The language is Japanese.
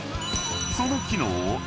［その機能を］